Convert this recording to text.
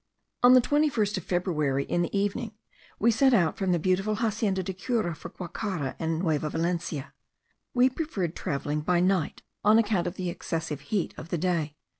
On the 21st of February, in the evening, we set out from the beautiful Hacienda de Cura for Guacara and Nueva Valencia. We preferred travelling by night, on account of the excessive heat of the day.